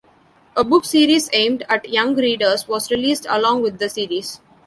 A book series aimed at young readers was released along with the series.